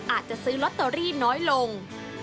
อาจจะซื้อตัวตะรี่น้อยลง